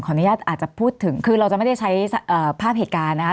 อนุญาตอาจจะพูดถึงคือเราจะไม่ได้ใช้ภาพเหตุการณ์นะคะ